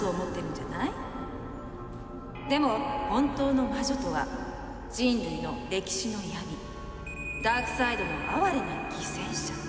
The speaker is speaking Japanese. でも本当の魔女とは人類の歴史の闇ダークサイドの哀れな犠牲者。